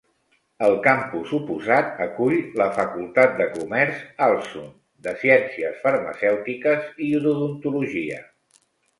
El campus oposat acull la facultat de comerç, Alsun, de ciències farmacèutiques i d'odontologia.